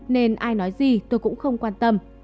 nên ai nói gì tôi cũng không quan tâm